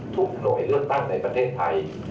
หน่วยเลือกตั้งในประเทศไทย